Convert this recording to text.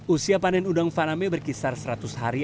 usia panen udang faname berkisar seratus hari